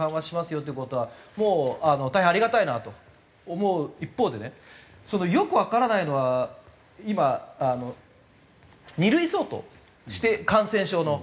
よって事はもう大変ありがたいなと思う一方でねよくわからないのは今２類相当して感染症の。